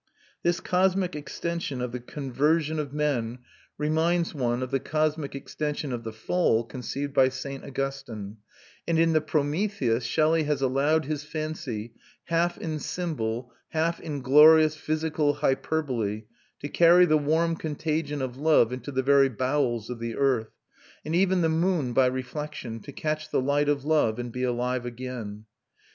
This cosmic extension of the conversion of men reminds one of the cosmic extension of the Fall conceived by St. Augustine; and in the Prometheus Shelley has allowed his fancy, half in symbol, half in glorious physical hyperbole, to carry the warm contagion of love into the very bowels of the earth, and even the moon, by reflection, to catch the light of love, and be alive again.